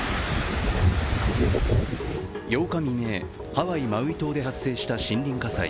８日未明、ハワイ・マウイ島で発生した森林火災。